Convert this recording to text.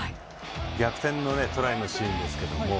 逆転のトライのシーンですけど。